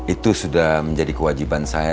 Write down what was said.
itu sudah menjadi kewajiban saya